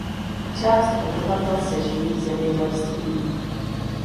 Část obyvatel se živí zemědělstvím.